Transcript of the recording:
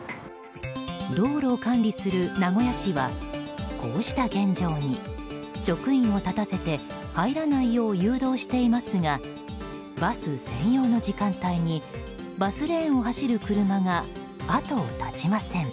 道路を管理する名古屋市はこうした現状に職員を立たせて入らないよう誘導していますがバス専用の時間帯にバスレーンを走る車が後を絶ちません。